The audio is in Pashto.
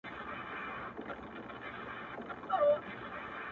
په دوی واړو کي چي مشر وو غدار وو -